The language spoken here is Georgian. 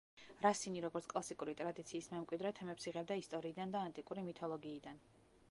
რასინი, როგორც კლასიკური ტრადიციის მემკვიდრე, თემებს იღებდა ისტორიიდან და ანტიკური მითოლოგიიდან.